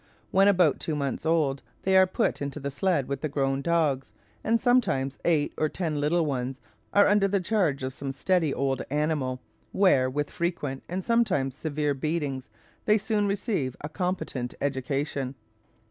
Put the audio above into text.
When about two months old, they are put into the sledge with the grown dogs, and sometimes eight or ten little ones are under the charge of some steady old animal, where, with frequent and sometimes severe beatings, they soon receive a competent education.